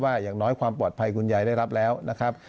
อย่างน้อยความปลอดภัยคุณยายได้รับแล้วนะครับ